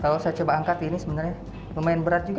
kalau saya coba angkat ini sebenarnya lumayan berat juga